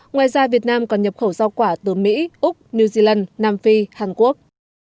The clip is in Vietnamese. ngoài ra việt nam còn nhập khẩu giao quả từ mỹ úc new zealand nam phi hàn quốc